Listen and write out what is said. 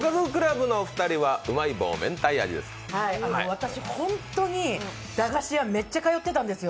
私、本当に駄菓子屋めっちゃ通ってたんですよ。